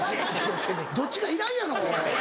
どっちかいらんやろ？